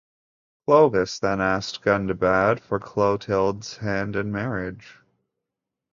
Clovis then asked Gundobad for Clotilde's hand in marriage.